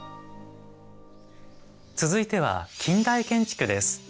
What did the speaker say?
続いては「近代建築」です。